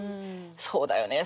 そうだよね